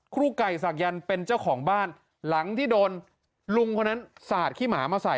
ครูไก่ศักยันต์เป็นเจ้าของบ้านหลังที่โดนลุงคนนั้นสาดขี้หมามาใส่